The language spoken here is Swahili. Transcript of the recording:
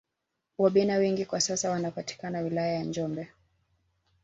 Wabena wengi kwa sasa wanapatikana wilaya ya njombe